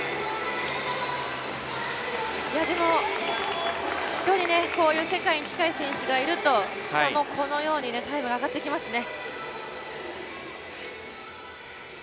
でも一人世界に近い選手がいると下も、このようにタイムが上がってきますね。